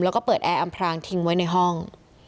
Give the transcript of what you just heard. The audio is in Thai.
แล้วก็เปิดแอร์อำพรางทิ้งไว้ในห้อง